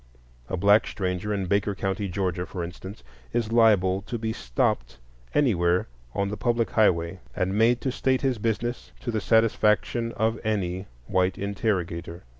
A black stranger in Baker County, Georgia, for instance, is liable to be stopped anywhere on the public highway and made to state his business to the satisfaction of any white interrogator.